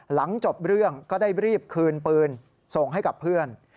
หลังจบเรื่องก็ได้รีบคืนปืนส่งให้กับเพื่อน